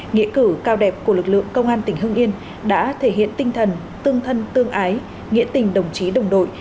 nghĩa cử cao đẹp của lực lượng công an tỉnh hưng yên đã thể hiện tinh thần tương thân tương ái nghĩa tình đồng chí đồng đội